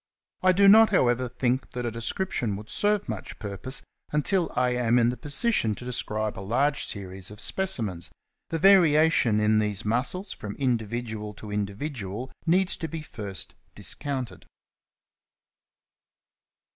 I do not, however, think that a description would serve much purpose until I am in the position to describe a large series of specimens ; the varia tion in these muscles from individual to individual needs to be first discounted.